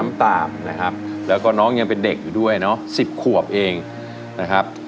ตามนะครับแล้วก็น้องยังเป็นเด็กอยู่ด้วยเนาะ๑๐ขวบเองนะครับ